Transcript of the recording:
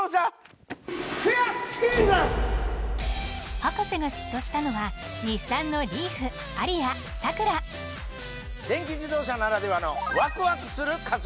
博士が嫉妬したのは電気自動車ならではのワクワクする加速！